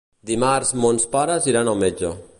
Dimarts mons pares iran al metge.